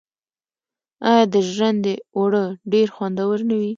آیا د ژرندې اوړه ډیر خوندور نه وي؟